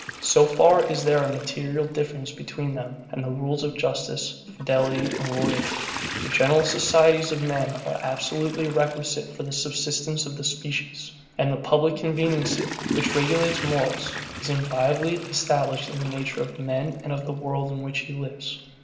So far is there a material difference between them and the rules of justice, fidelity, and loyalty. The general societies of men are absolutely requisite for the subsistence of the species; and the public conveniency, which regulates morals, is inviolably established in the nature of man, and of the world, in which he lives.